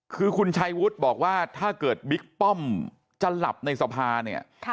คือคุณชัยวุฒิบอกว่าถ้าเกิดบิ๊กป้อมจะหลับในสภาเนี่ย